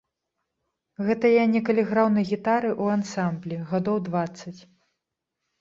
Гэта я некалі граў на гітары ў ансамблі, гадоў дваццаць.